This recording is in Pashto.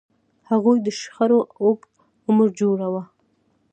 هغوی د شخړو اوږد عمر جوړاوه.